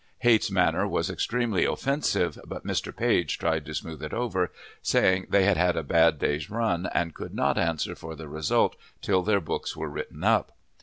Height's manner was extremely offensive, but Mr. Page tried to smooth it over, saying they had had a bad day's run, and could not answer for the result till their books were written up.